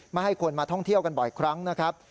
ไม่ให้คนมาท่องเที่ยวกันบ่อยครั้งนะครับ